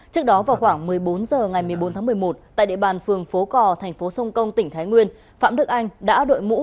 trước đó vào khoảng một mươi bốn h ngày một mươi bốn tháng một mươi một tại địa bàn phường phố cò thành phố sông công tỉnh thái nguyên phạm đức anh đã đội mũ